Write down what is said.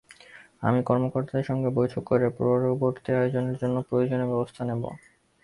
আমি কর্মকর্তাদের সঙ্গে বৈঠক করে পরবর্তী আয়োজনের জন্য প্রয়োজনীয় ব্যবস্থা নেব।